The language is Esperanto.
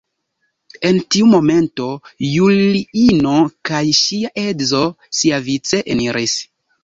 En tiu momento Juliino kaj ŝia edzo siavice eniris.